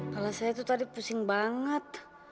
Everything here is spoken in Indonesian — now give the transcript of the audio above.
kalau saya itu tadi pusing banget